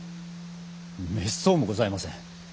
めっそうもございません。